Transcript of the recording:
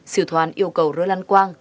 siêu thoan yêu cầu roland quang